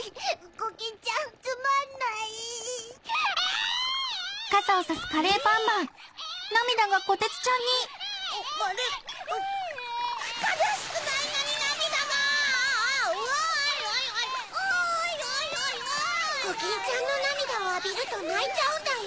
コキンちゃんのなみだをあびるとないちゃうんだよ。